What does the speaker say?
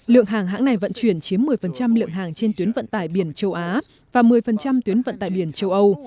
lượng hàng hãng này vận chuyển chiếm một mươi lượng hàng trên tuyến vận tải biển châu á và một mươi tuyến vận tải biển châu âu